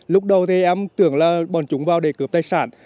lúc đầu thì em tưởng là bọn chúng vào để cướp tài sản